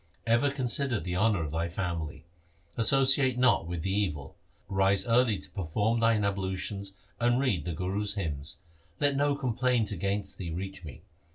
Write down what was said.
Ever consider the honour of thy family. Associate not with the evil. Rise early to perform thine ablutions, and read the Guru's hymns. Let no complaint against thee reach me.